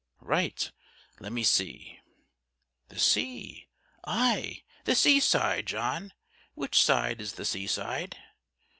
"Right: let me see. The sea? aye, the sea side. John, which side is the sea side?"